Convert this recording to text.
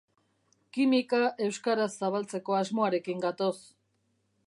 Kimika euskaraz zabaltzeko asmoarekin gatoz.